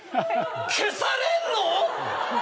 消されんの！？